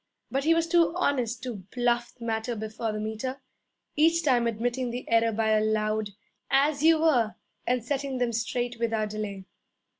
But he was too honest to 'bluff' the matter before the Meter, each time admitting the error by a loud 'As you were!' and setting them straight without delay.